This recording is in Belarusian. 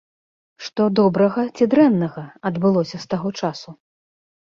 Што добрага ці дрэннага адбылося з таго часу?